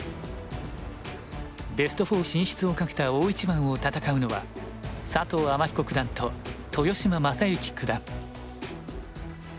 ベスト４進出をかけた大一番を戦うのは佐藤天彦九段と豊島将之九段。